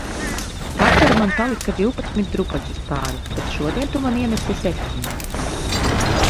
Vakar man palika divpadsmit drupačas pāri, bet šodien tu man ienesi septiņas